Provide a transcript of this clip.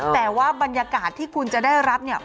แต่ว่าบรรยากาศที่คุณจะได้รับเนี่ย